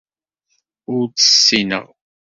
Ur tt-ssineɣ.